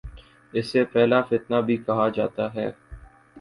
اسے پہلا فتنہ بھی کہا جاتا ہے